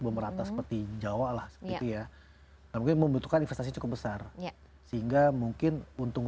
berata seperti jawa lah iya mungkin membutuhkan investasi cukup besar sehingga mungkin untung